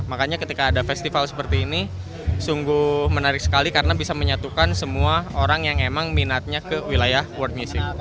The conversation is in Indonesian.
makanya ketika ada festival seperti ini sungguh menarik sekali karena bisa menyatukan semua orang yang emang minatnya ke wilayah world music